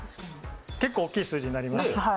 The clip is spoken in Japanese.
結構大きい数字になりました？